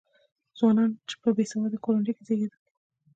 ځوانان په بې سواده کورنیو کې زېږېدل.